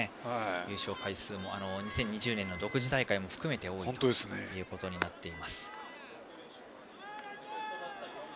優勝回数も２０２０年の独自大会も含めてとなっています。